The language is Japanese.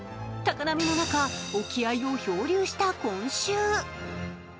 高波の中、沖合を漂流した今週。